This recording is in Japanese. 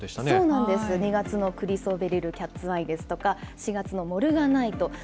そうなんです、２月のクリソベリル・キャッツ・アイですとか、４月のモルガナイト。